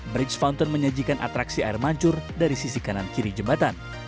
bridge fountain menyajikan atraksi air mancur dari sisi kanan kiri jembatan